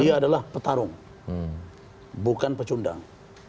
dia adalah petarung bukan pecundang